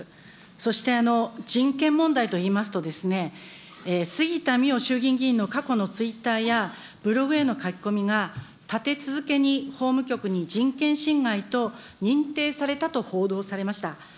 そして、人権問題といいますと、杉田水脈衆議院議員の過去のツイッターやブログへの書き込みが、立て続けに法務局に人権侵害と認定されたと報道されました。